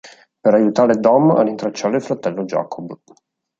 Per aiutare Dom a rintracciare il fratello Jakob.